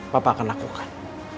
papa akan lakukan